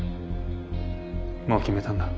もう決めたんだ。